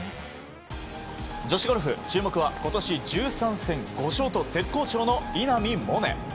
女子ゴルフ、注目は今年１３戦５勝と絶好調の稲見萌寧。